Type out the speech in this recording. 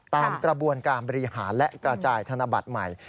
ตามกระบวนการบริหารและกระจายธนบัตรใหม่